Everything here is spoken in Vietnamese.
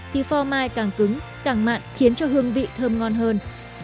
thì phò mai càng cứng càng mặn khiến cho hương vị thơm ngon hơn